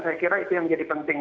saya kira itu yang jadi penting